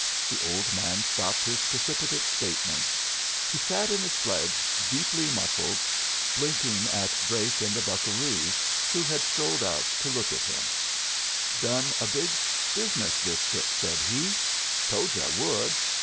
The old man stopped his precipitate statements. He sat in his sledge deeply muffled, blinking at Drake and the buccaroos, who had strolled out to look at him, "Done a big business this trip," said he. "Told you I would.